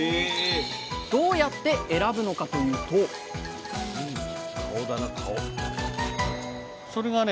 どうやって選ぶのかというとそれがね